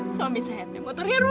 suami saya mau terhiru